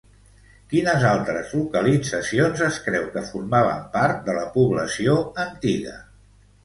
Quines altres localitzacions es creu que formaven part de la població antiga?